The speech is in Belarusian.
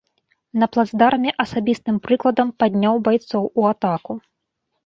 На плацдарме асабістым прыкладам падняў байцоў у атаку.